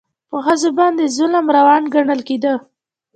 په ښځو باندې ظلم روان ګڼل کېده.